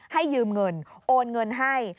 ให้ยืมเงินโอนเงินให้